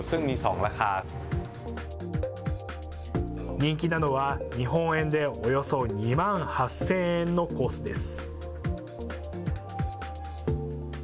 人気なのは、日本円でおよそ２万８０００円のコースです。